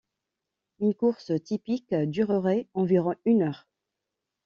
Une course typique durerait environ une heure.